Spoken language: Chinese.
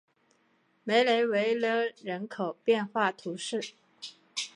梅雷维勒人口变化图示